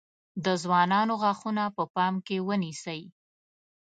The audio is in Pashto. د ځوانانو غاښونه په پام کې ونیسئ.